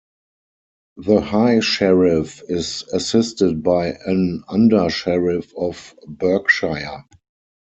The High Sheriff is assisted by an Under-Sheriff of Berkshire.